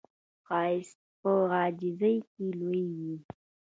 ښایست په عاجزۍ کې لوی وي